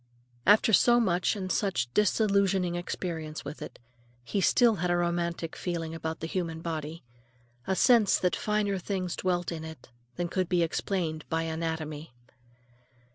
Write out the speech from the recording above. After so much and such disillusioning experience with it, he still had a romantic feeling about the human body; a sense that finer things dwelt in it than could be explained by anatomy.